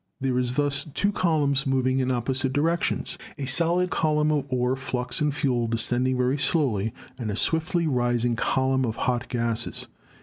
There is thus two col umns moving in opposite directions : a solid column of ore, flux and fuel descending very slowly and a swiftly rising column of hot gases.